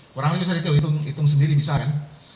kurang lebih bisa dituh hitung sendiri bisa kan